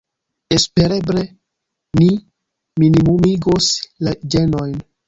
Espereble ni minimumigos la ĝenojn.